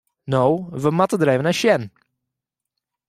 No, we moatte der even nei sjen.